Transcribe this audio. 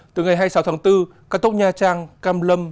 từ ngày hai mươi sáu tháng bốn cao tốc nha trang cam lâm